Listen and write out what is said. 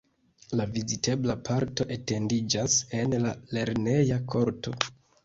La vizitebla parto etendiĝas en la lerneja korto.